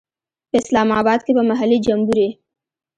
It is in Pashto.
په اسلام آباد کې به محلي جمبوري.